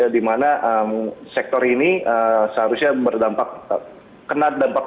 di mana sektor ini seharusnya berdampak kena dampak